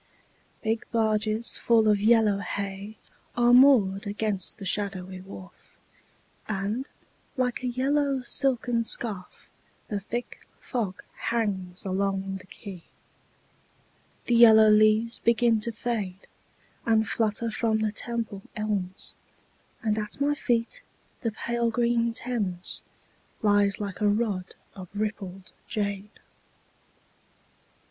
Big barges full of yellow hay Are moored against the shadowy wharf, And, like a yellow silken scarf, The thick fog hangs along the quay. The yellow leaves begin to fade And flutter from the Temple elms, And at my feet the pale green Thames Lies like a rod of rippled jade.